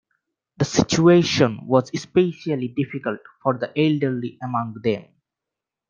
The situation was especially difficult for the elderly among them.